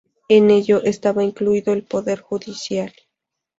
En ello, estaba incluido el poder judicial.